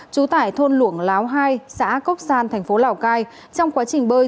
trú tải thôn luổng láo hai xã cốc san thành phố lào cai trong quá trình bơi